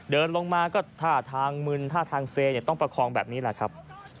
เดินลงมาก็ท่าทางมึนท่าทางเซต้องประคองแบบนี้แหละครับ